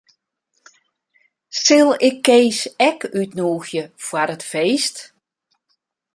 Sil ik Kees ek útnûgje foar it feest?